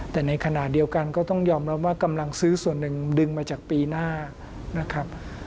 แต่ในขณะเดียวกันก็ต้องยอมรับว่ากำลังซื้อส่วนหนึ่งดึงมาจากปีหน้านะครับ